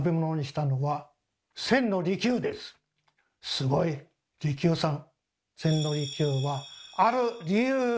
すごい利休さん。